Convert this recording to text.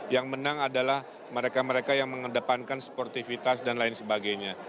yang menang adalah mereka mereka yang mengedepankan sportivitas dan lain sebagainya